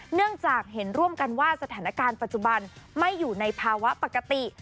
เนื่องจากเห็นร่วมกันว่าสถานการณ์ปัจจุบันไม่อยู่ในภาวะปกติ